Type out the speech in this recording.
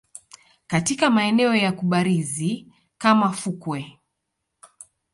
katika maeneo ya kubarizi kama fukwe